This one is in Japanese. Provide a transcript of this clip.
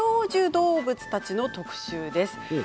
動物たちの特集です。